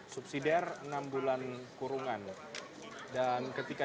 subsidiar enam bulan kurungan dan ketika